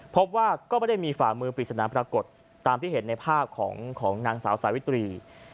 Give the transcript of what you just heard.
พบว่าก็ไม่ได้มีฝ่ามือปริศนาปรากฏตามที่เห็นในภาพของนางสาวสาวิตรี